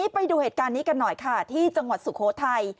ไปดูเหตุการณ์นี้กันหน่อยค่ะที่จังหวัดสุโขทัย